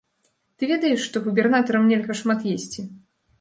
Ты ведаеш, што губернатарам нельга шмат есці?